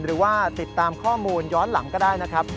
หรือว่าติดตามข้อมูลย้อนหลังก็ได้นะครับ